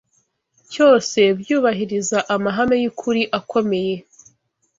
cyose byubahiriza amahame y’ukuri akomeye